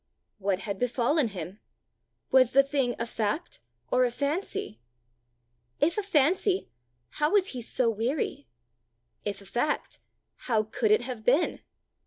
What had befallen him? Was the thing a fact or a fancy? If a fancy, how was he so weary? If a fact, how could it have been?